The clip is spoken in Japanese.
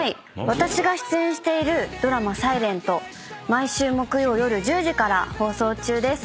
私が出演しているドラマ『ｓｉｌｅｎｔ』毎週木曜夜１０時から放送中です。